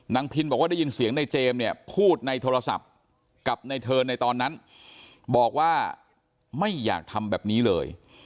พินบอกว่าได้ยินเสียงในเจมส์เนี่ยพูดในโทรศัพท์กับในเทิร์นในตอนนั้นบอกว่าไม่อยากทำแบบนี้เลย